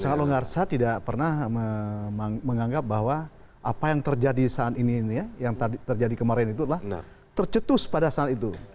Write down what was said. sangat longgar saya tidak pernah menganggap bahwa apa yang terjadi saat ini ini ya yang terjadi kemarin itu adalah tercetus pada saat itu